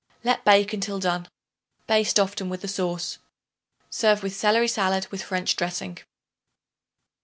Let bake until done. Baste often with the sauce. Serve with celery salad with French dressing.